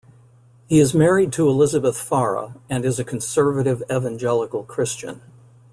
He is married to Elizabeth Farah and is a conservative evangelical Christian.